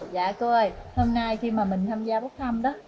dạ cô ơi hôm nay khi mà mình tham gia bốc thăm đó